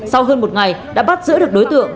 sau hơn một ngày đã bắt giữ được đối tượng